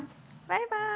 バイバーイ。